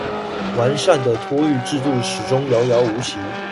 完善的托育制度始終遙遙無期